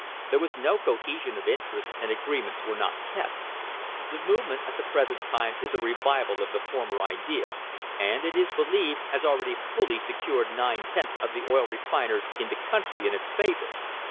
There was no cohesion of interests, and agreements were not kept. The movement at the present time is a revival of the former idea, and, it is believed, has already secured fully nine tenths of the oil refiners in the country in its favour.